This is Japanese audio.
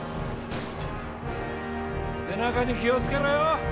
背中に気を付けろよ！